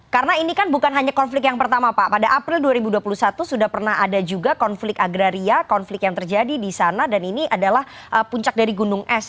karena ini kan bukan hanya konflik yang pertama pak pada april dua ribu dua puluh satu sudah pernah ada juga konflik agraria konflik yang terjadi di sana dan ini adalah puncak dari gunung es